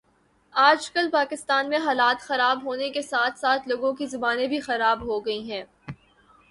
آج کل پاکستان میں حالات خراب ہونے کے ساتھ ساتھ لوگوں کی زبانیں بھی خراب ہو گئی ہیں